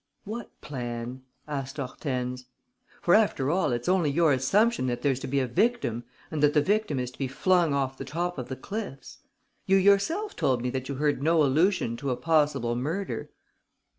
"What plan?" asked Hortense. "For, after all, it's only your assumption that there's to be a victim and that the victim is to be flung off the top of the cliffs. You yourself told me that you heard no allusion to a possible murder."